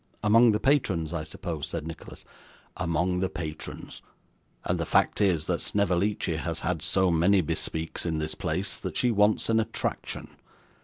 'Among the patrons, I suppose?' said Nicholas. 'Among the patrons; and the fact is, that Snevellicci has had so many bespeaks in this place, that she wants an attraction.